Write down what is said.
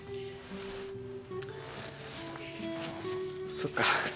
そっか。